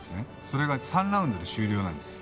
それが３ラウンドで終了なんです。